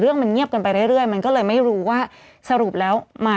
เพื่อไม่ให้เชื้อมันกระจายหรือว่าขยายตัวเพิ่มมากขึ้น